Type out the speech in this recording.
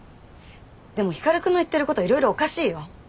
でも光くんの言ってることいろいろおかしいよ。